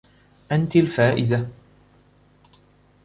أنتِ الفائزة.